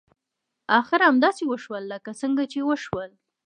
اخر همداسې وشول لکه څنګه چې وشول.